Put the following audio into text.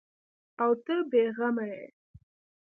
او ته بې غمه یې ؟